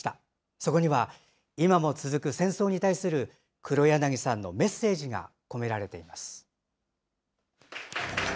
そこには、今も続く戦争に対する黒柳さんのメッセージが込められています。